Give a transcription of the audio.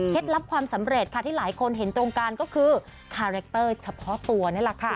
ลับความสำเร็จค่ะที่หลายคนเห็นตรงกันก็คือคาแรคเตอร์เฉพาะตัวนี่แหละค่ะ